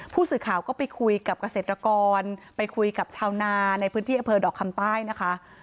ผู้สื่อข่าวก็ไปคุยกับเกษตรกรไปคุยกับชาวนาในพื้นที่อำเภอดอกคำใต้นะคะ